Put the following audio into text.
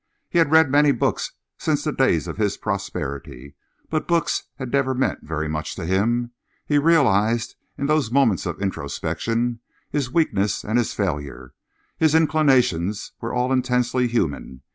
He had read many books since the days of his prosperity, but books had never meant very much to him. He realised, in those moments of introspection, his weakness and his failure. His inclinations were all intensely human.